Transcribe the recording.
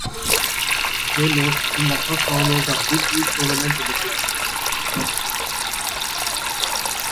They lost in the first round of the Big East Tournament to Butler.